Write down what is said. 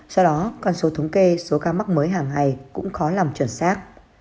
do đó con số thống kê số ca mắc mới hàng ngày cũng khó làm chuẩn xác